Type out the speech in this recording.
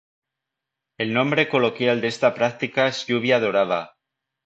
El nombre coloquial de esta práctica es lluvia dorada.